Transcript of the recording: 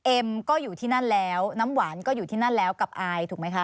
เอ็มก็อยู่ที่นั่นแล้วน้ำหวานก็อยู่ที่นั่นแล้วกับอายถูกไหมคะ